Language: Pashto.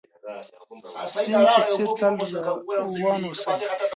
د سيند په څېر تل روان اوسئ.